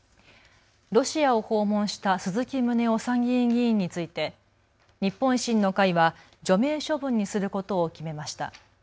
ロシアを訪問した鈴木宗男参議院議員について日本維新の会は除名処分にすることを決めました。